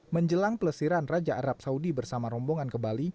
menjelang pelesiran raja arab saudi bersama rombongan ke bali